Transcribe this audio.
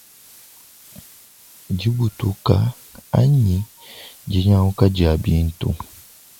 Dibutuka anyi dinyanguka dia bintu.